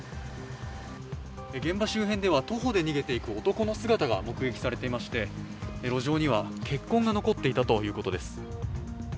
現場周辺では徒歩で逃げていく男の姿が見られていまして路上には血痕が残っていたということです。